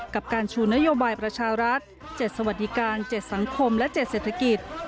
กับการชูนโยบายประชารักษณ์เจ็ดสวัสดิการเจ็ดสังคมและเจ็ดเศรษฐกิจ